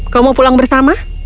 kau mau pulang bersama